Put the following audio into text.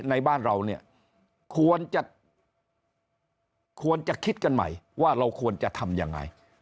ในบ้านเราเนี่ยควรจะควรจะคิดกันใหม่ว่าเราควรจะทำยังไง